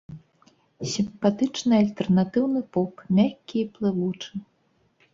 Сімпатычны альтэрнатыўны поп, мяккі і плывучы.